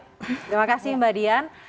terima kasih mbak dian